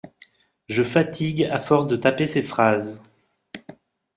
Je fatigue à force de taper ces phrases.